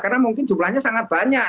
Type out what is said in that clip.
karena mungkin jumlahnya sangat banyak